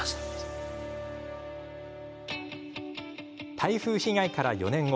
台風被害から４年後。